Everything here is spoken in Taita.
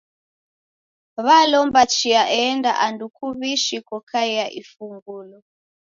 W'alomba chia eenda andu kuw'ishi kokaia ifungulo.